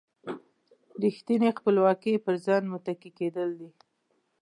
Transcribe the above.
ریښتینې خپلواکي پر ځان متکي کېدل دي.